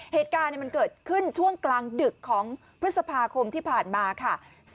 เหตุการณ์มันเกิดขึ้นช่วงกลางดึกของพฤษภาคมที่ผ่านมาค่ะ